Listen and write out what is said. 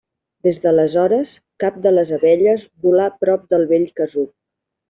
Des d'aleshores, cap de les abelles volà prop del vell casup.